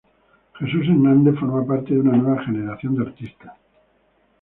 Jesús Hernández forma parte de una nueva generación de artistas.